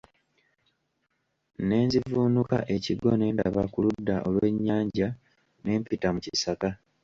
Ne nzivuunuka ekigo ne ndaga ku ludda olw'ennyanja ne mpita mu kisaka.